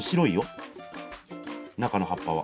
中の葉っぱは。